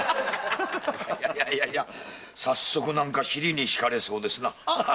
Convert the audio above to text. いや早速尻に敷かれそうですな！